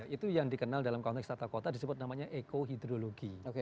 itu yang dikenal dalam konteks tata kota disebut namanya ekohidrologi